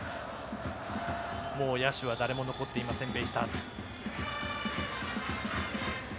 もう野手は誰も残っていませんベイスターズ。